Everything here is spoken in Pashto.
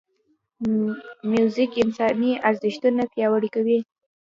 موزیک انساني ارزښتونه پیاوړي کوي.